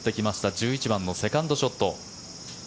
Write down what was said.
１１番のセカンドショット。